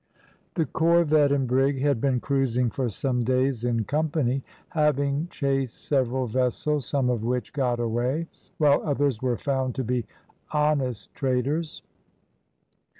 The corvette and brig had been cruising for some days in company, having chased several vessels, some of which got away, while others were found to be honest traders.